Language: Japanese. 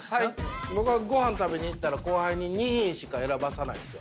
僕はごはん食べに行ったら後輩に２品しか選ばさないんですよ。